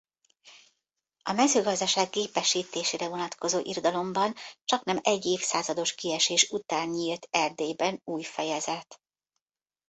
A mezőgazdaság gépesítésére vonatkozó irodalomban csaknem egy évszázados kiesés után nyílt Erdélyben új fejezet.